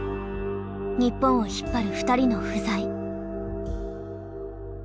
日本を引っ張る２人の不在。